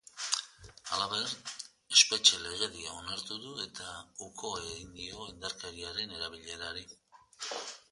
Halaber, espetxe legedia onartu du eta uko egin dio indarkeriaren erabilerari.